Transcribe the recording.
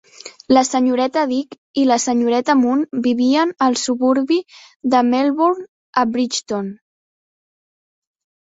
La senyoreta Dick i la senyoreta Moon vivien al suburbi de Melbourne, a Brighton.